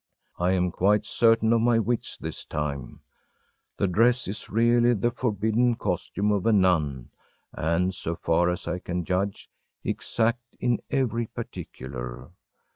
I am quite certain of my wits this time: the dress is really the forbidden costume of a nun, and, so far as I can judge, exact in every particular.